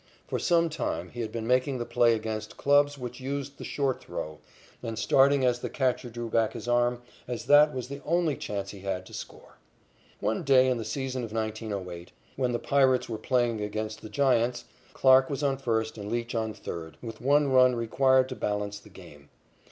For some time he had been making the play against clubs which used the short throw, and starting as the catcher drew back his arm, as that was the only chance he had to score. One day in the season of 1908, when the Pirates were playing against the Giants, Clarke was on first and Leach on third, with one run required to balance the game.